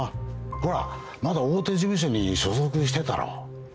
ほらまだ大手事務所に所属してたろ。